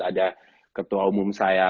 ada ketua umum saya